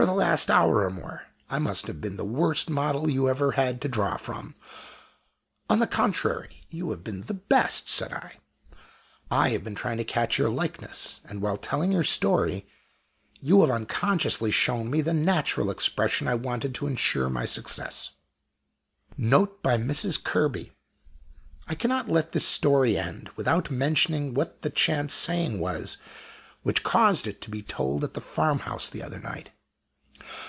For the last hour or more I must have been the worst model you ever had to draw from!" "On the contrary, you have been the best," said I. "I have been trying to catch your likeness; and, while telling your story, you have unconsciously shown me the natural expression I wanted to insure my success." NOTE BY MRS. KERBY. I cannot let this story end without mentioning what the chance saying was which caused it to be told at the farmhouse the other night.